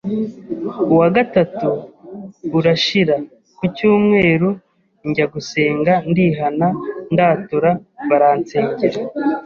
uwa gatatu urashira, ku cyumweru njya gusenga ndihana ndatura baransengera